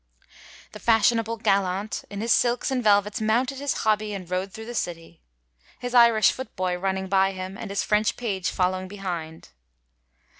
The fashion able gallant in his silks and velvets mounted his hobby and rode thru the city, his Irish footboy running by him, and his French page following behind.